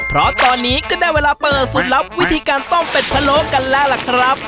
เพราะตอนนี้ก็ได้เวลาเปิดสูตรลับวิธีการต้มเป็ดพะโลกันแล้วล่ะครับ